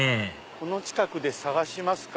この近くで探しますか。